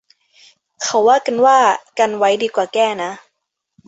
เขาว่ากันว่า กันไว้ดีกว่าแก้นะ